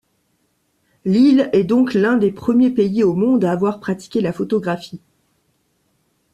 L'île est donc l'un des premiers pays au monde à avoir pratiqué la photographie.